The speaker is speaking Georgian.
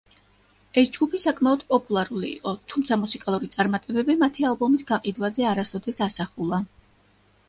ეს ჯგუფი საკმაოდ პოპულარული იყო, თუმცა მუსიკალური წარმატებები მათი ალბომების გაყიდვაზე არასოდეს ასახულა.